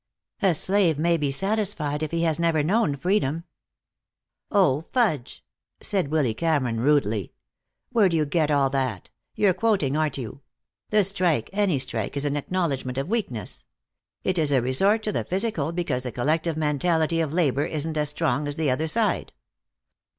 "A slave may be satisfied if he has never known freedom." "Oh, fudge," said Willy Cameron, rudely. "Where do you get all that? You're quoting; aren't you? The strike, any strike, is an acknowledgment of weakness. It is a resort to the physical because the collective mentality of labor isn't as strong as the other side.